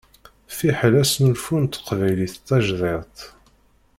Fiḥel asnulfu n teqbaylit tajdidt.